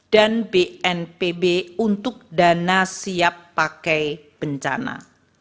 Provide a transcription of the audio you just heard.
dan bnpb untuk dana siap pakai bencana